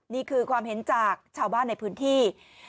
นี่คือความเห็นจากชาวบ้านในพื้นที่